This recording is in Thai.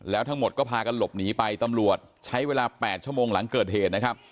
แล้วทั้งหมดก็พากันหลบหนีไปตำรวจใช้เวลา๘ชั่วโมงหลังเกิดเหตุนะครับ